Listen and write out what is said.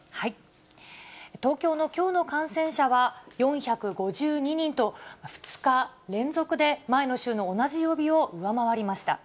東京のきょうの感染者は４５２人と、２日連続で前の週の同じ曜日を上回りました。